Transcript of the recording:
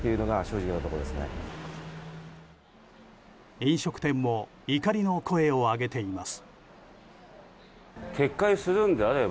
飲食店も怒りの声を上げています。